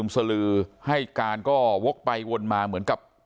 สลึมให้การวกใบวนมาเหมือนกับ